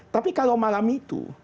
tapi kalau malam itu